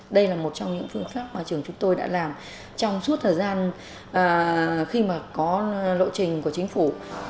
đây là một trong những phương pháp mà trường chúng tôi đã làm trong suốt thời gian khi mà có lộ trình của chính phủ